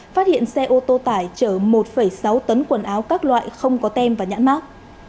phát hiện xe ô tô tải chở một sáu tấn quần áo các loại không có tem và nhãn mát